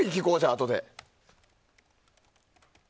あとで。